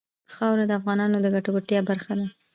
خاوره د افغانانو د ګټورتیا برخه ده.